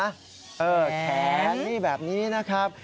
แขนนี่แขนนี่แบบนี้นะครับ